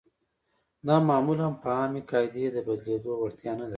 دا معمولاً په عامې قاعدې د بدلېدو وړتیا نلري.